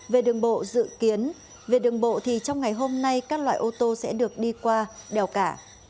về đường bộ dự kiến về đường bộ thì trong ngày hôm nay các loại ô tô sẽ được đi qua đèo cả